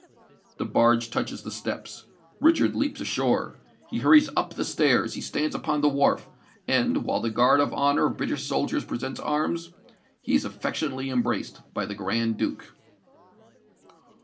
The barge touches the steps: Richard leaps ashore. He hurries up the stairs—he stands upon the wharf; and, while the guard of honour of British soldiers presents arms, he is affectionately embraced by the Grand Duke.